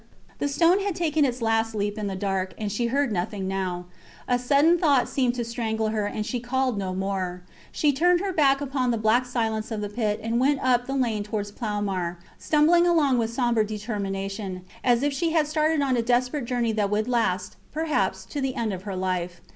The stone had taken its last leap in the dark, and she heard nothing now. A sudden thought seemed to strangle her, and she called no more. She turned her back upon the black silence of the pit and went up the lane towards Ploumar, stumbling along with sombre determination, as if she had started on a desperate journey that would last, perhaps, to the end of her life.